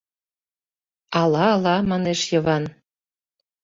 — Ала, ала, — манеш Йыван.